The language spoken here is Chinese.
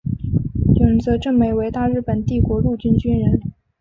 永泽正美为大日本帝国陆军军人。